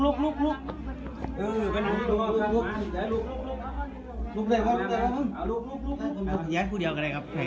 โทรเลยเดี๋ยวถูกจับแล้ว